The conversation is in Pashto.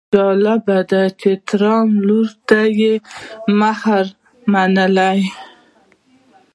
جالبه ده چې د ټرمپ لور ته یې مهر منلی.